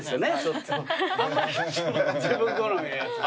自分好みのやつ。